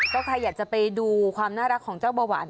ก็ใครอยากจะไปดูความน่ารักของเจ้าเบาหวาน